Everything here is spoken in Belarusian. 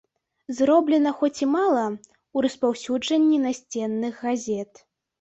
Зроблена, хоць і мала, у распаўсюджанні насценных газет.